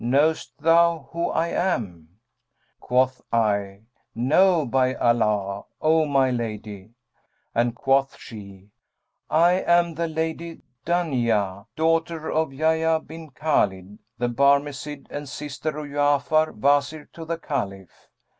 Knowest thou who I am?' Quoth I, 'No, by Allah, O my lady!'; and quoth she, 'I am the Lady Dunyб, daughter of Yбhyб bin Khбlid the Barmecide and sister of Ja'afar, Wazir to the Caliph.'